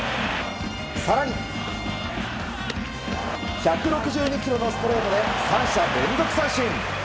更に、１６２キロのストレートで三者連続三振。